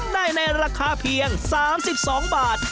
ได้ในราคาเพียง๓๒บาท